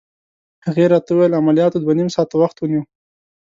هغې راته وویل: عملياتو دوه نيم ساعته وخت ونیو.